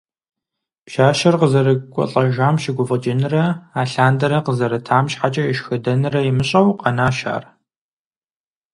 Пщащэр къызэрекӀуэлӀэжам щыгуфӀыкӀынрэ алъандэрэ къызэрытам щхьэкӀэ ешхыдэнрэ имыщӀэу, къэнащ ар.